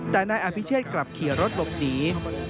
แต่นายอภิเชษกลับเคียร์รถลบหนี